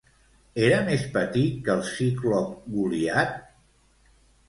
Era més petit que el ciclop Goliat?